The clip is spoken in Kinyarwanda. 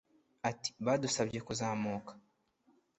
Ati “Badusabye kuzamuka